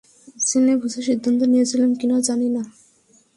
জেনে-বুঝে সিদ্ধান্ত নিয়েছিলাম কি-না জানি না।